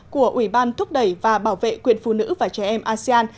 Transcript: của ủy ban thúc đẩy và bảo vệ quyền phụ nữ và trẻ em asean